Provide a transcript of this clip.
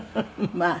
まあ。